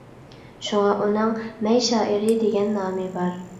شۇڭا ئۇنىڭ «مەي شائىرى» دېگەن نامى بار.